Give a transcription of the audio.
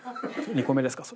２個目ですか？